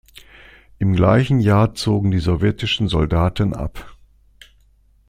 Im gleichen Jahr zogen die sowjetischen Soldaten ab.